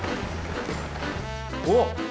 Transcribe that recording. おっ。